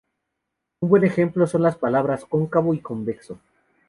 Un buen ejemplo son las palabras "cóncavo" y "convexo".